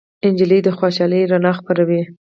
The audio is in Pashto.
نجلۍ د خوشالۍ رڼا خپروي.